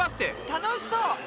楽しそう。